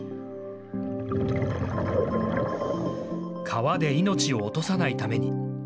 川で命を落とさないために。